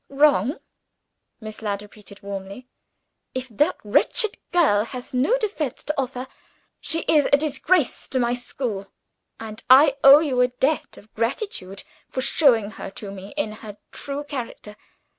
"Wrong?" Miss Ladd repeated warmly. "If that wretched girl has no defense to offer, she is a disgrace to my school and I owe you a debt of gratitude for showing her to me in her true character.